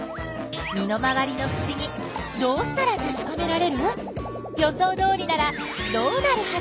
身の回りのふしぎどうしたらたしかめられる？予想どおりならどうなるはず？